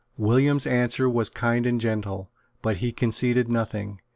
William's answer was kind and gentle; but he conceded nothing.